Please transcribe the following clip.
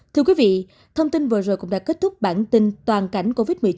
thưa quý vị thông tin vừa rồi cũng đã kết thúc bản tin toàn cảnh covid một mươi chín